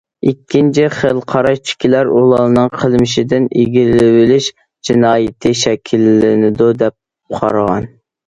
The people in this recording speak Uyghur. ئىككىنچى خىل قاراشتىكىلەر: ئۇلارنىڭ قىلمىشىدىن ئىگىلىۋېلىش جىنايىتى شەكىللىنىدۇ، دەپ قارىغان.